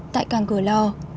tại càng cửa lò